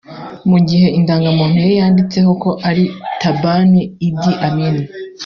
mu gihe indangamuntu ye yanditseho ko ari Taban Idi Amin